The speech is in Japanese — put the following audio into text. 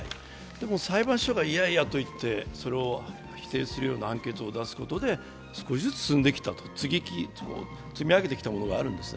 でも裁判所がいやいやと言って、それを否定するような判決を出すことで少しずつ進んできた、積み上げてきたものがあるんです。